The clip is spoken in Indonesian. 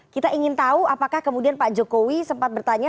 kita ingin tahu apakah kemudian pak jokowi sempat bertanya